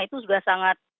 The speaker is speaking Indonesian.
itu juga sangat penting